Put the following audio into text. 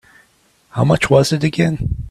How much was it again?